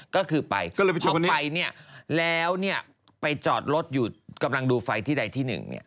ก็คือไปพอไปเนี่ยแล้วไปจอดรถอยู่กำลังดูไฟที่ใดที่หนึ่ง